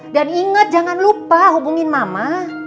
dan inget jangan lupa hubungin mama